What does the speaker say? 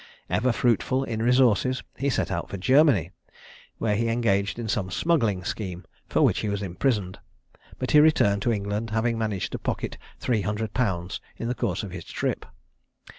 Ever fruitful in resources, he set out for Germany, where he engaged in some smuggling scheme, for which he was imprisoned; but he returned to England, having managed to pocket three hundred pounds in the course of his trip.